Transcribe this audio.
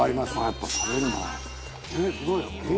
「やっぱ食べるなあ」